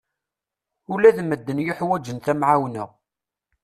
Ula d medden yuḥwaǧen tamɛawna.